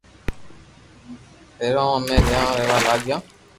ھينرن او مي رھيوا لاگيو